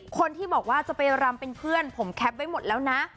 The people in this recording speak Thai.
คนที่บอกว่าจะไปรำเป็นเพื่อนผมแคปไว้หมดแล้วนะ